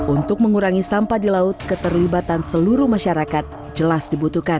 untuk mengurangi sampah di laut keterlibatan seluruh masyarakat jelas dibutuhkan